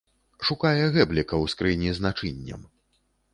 Шукае гэбліка ў скрыні з начыннем.